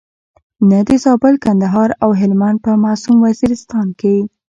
نه د زابل، کندهار او هلمند په معصوم وزیرستان کې.